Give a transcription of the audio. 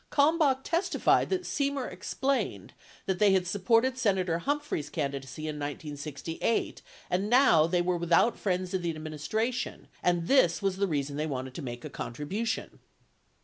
Kalmbach testified that Semer explained that they had supported Senator Humphrey's candidacy in 1968 and now "they were without friends in the administration and this was the reason they wanted to make a contribution."